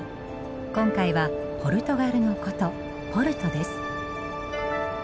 今回はポルトガルの古都ポルトです。